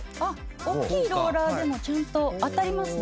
おっきいローラーでもちゃんと当たりますね。